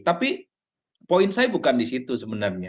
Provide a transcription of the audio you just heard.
tapi poin saya bukan di situ sebenarnya